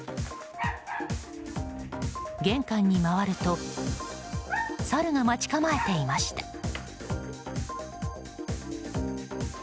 玄関に回るとサルが待ち構えていました。